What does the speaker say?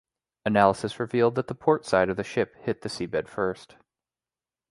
Analysis revealed that the port side of the ship hit the seabed first.